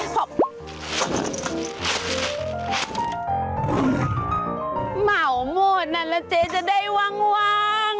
เหมาหมดนั้นละเจจะได้วาง